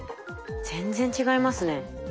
全然違いますね。